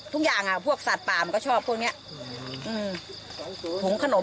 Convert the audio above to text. ทุกอย่างพวกสัตว์ป่ามันก็ชอบพวกเนี้ยเส้นถุงขนมอะไร